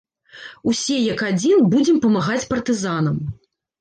Усе, як адзін, будзем памагаць партызанам!